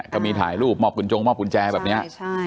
ก็มีถ่ายรูปมอบกุญจงมอบกุญแจแบบนี้